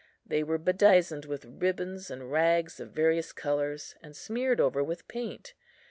They were bedizened with ribbons and rags of various colours, and smeared over with paint.